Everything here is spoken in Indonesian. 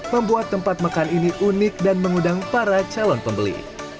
membuat tempat makan ini unik dan mengundang para calon pembeli